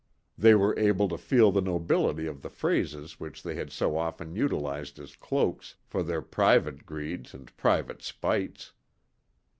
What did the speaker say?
They were able to feel the nobility of the phrases which they had so often utilized as cloaks for their private greeds and private spites.